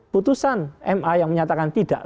putusan ma yang menyatakan tidak